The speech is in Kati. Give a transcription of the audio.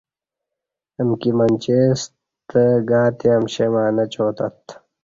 امکی منچی ستے گاتے امشیں مع نچاتت